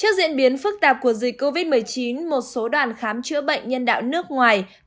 trước diễn biến phức tạp của dịch covid một mươi chín một số đoàn khám chữa bệnh nhân đạo nước ngoài